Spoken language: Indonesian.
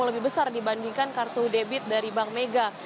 lebih besar dibandingkan kartu debit dari bank mega